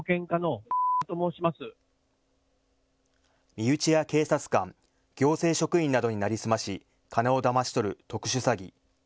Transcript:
身内や警察官、行政職員などに成り済まし金をだまし取る特殊詐欺。